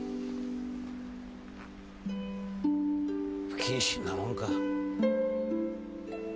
不謹慎なもんか。